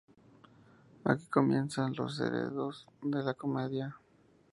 Aquí comienzan los enredos de la comedia.